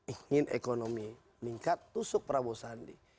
ingin ekonomi meningkat tusuk prabowo sandi